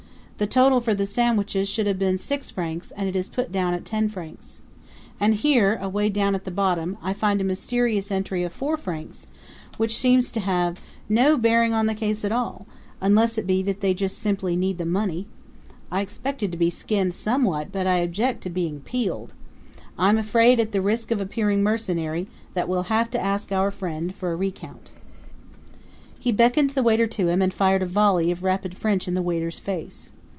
The total for the sandwiches should have been six francs, and it is put down at ten francs. And here, away down at the bottom, I find a mysterious entry of four francs, which seems to have no bearing on the case at all unless it be that they just simply need the money. I expected to be skinned somewhat, but I object to being peeled. I'm afraid, at the risk of appearing mercenary, that we'll have to ask our friend for a recount." He beckoned the waiter to him and fired a volley of rapid French in the waiter's face.